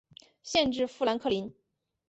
县治富兰克林。